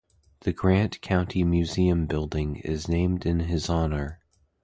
The Grant County Museum building is named in his honor.